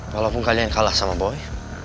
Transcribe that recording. walaupun kalian kalah sama boy